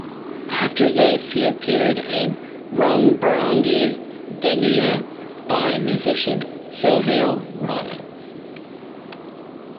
After this, he appeared in "Rung Barangi Duniya" by musician Sohail Rana.